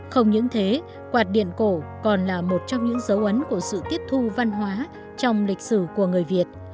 không những thế quạt điện cổ còn là một trong những dấu ấn của sự tiếp thu văn hóa trong lịch sử của người việt